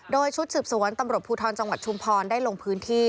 โดยชุดสืบสวนตำรวจภูทรจังหวัดชุมพรได้ลงพื้นที่